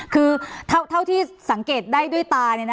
คือเท่าที่สังเกตได้ด้วยตา